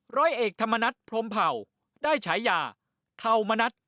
ร้อยเอกธรรมนัฐพรมเผ่าได้ฉายาธรรมนัฐ